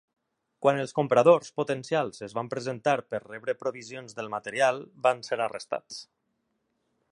Quan els compradors potencials es van presentar per rebre provisions del material, van ser arrestats.